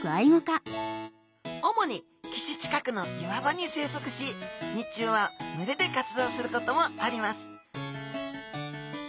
主に岸近くの岩場に生息し日中は群れで活動することもあります